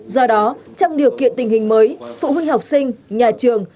do đó trong điều kiện tình hình mới phụ huynh học sinh nhà trường